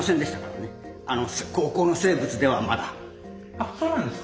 あそうなんですか。